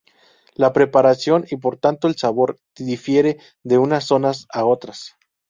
La preparación, y por tanto el sabor, difiere de unas zonas a otras.